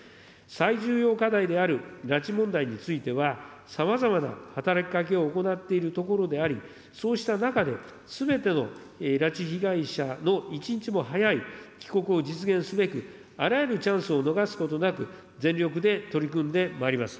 最重要課題である拉致問題については、さまざまな働きかけを行っているところであり、そうした中で、すべての拉致被害者の一日も早い帰国を実現すべく、あらゆるチャンスを逃すことなく、全力で取り組んでまいります。